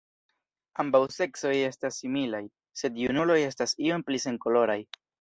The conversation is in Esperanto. Ambaŭ seksoj estas similaj, sed junuloj estas iom pli senkoloraj.